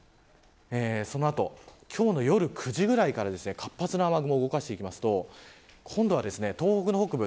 今日の夜９時ぐらいから活発な雨雲動かしていきますと東北の北部